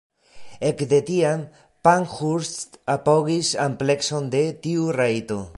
Ekde tiam, Pankhurst apogis amplekson de tiu rajto.